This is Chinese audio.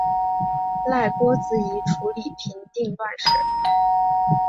赖郭子仪处理平定乱事。